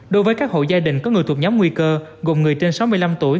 đối với các hộ gia đình có người thuộc nhóm nguy cơ gồm người trên sáu mươi năm tuổi